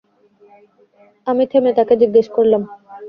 আমি থেমে তাকে জিজ্ঞেস করলাম।